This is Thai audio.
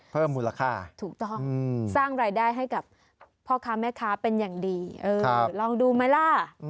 เพิ่มมูลค่าถูกต้องสร้างรายได้ให้กับพ่อค้าแม่ค้าเป็นอย่างดีเออลองดูไหมล่ะ